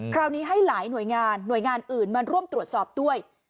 คราวนี้ให้หลายหน่วยงานหน่วยงานอื่นมาร่วมตรวจสอบด้วย